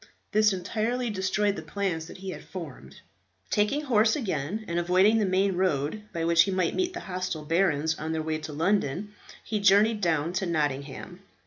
This entirely destroyed the plans that he had formed. Taking horse again, and avoiding the main road, by which he might meet the hostile barons on their way to London, he journeyed down to Nottingham.